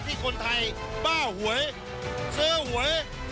ที่คนไทยบ้าหวยซื้อหวย